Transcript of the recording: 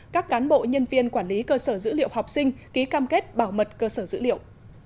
các cán bộ nhân viên quản lý cơ sở dữ liệu học sinh ký cam kết bảo mật cơ sở dữ liệu